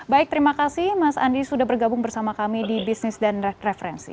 baik terima kasih mas andi sudah bergabung bersama kami di bisnis dan referensi